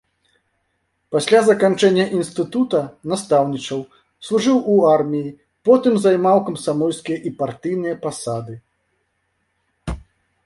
Пасля заканчэння інстытута настаўнічаў, служыў у арміі, потым займаў камсамольскія і партыйныя пасады.